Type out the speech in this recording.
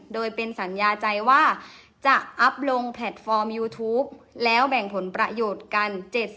โดยเป็นสัญญาใจว่าจะอัพลงแพลตฟอร์มยูทูปแล้วแบ่งผลประโยชน์กัน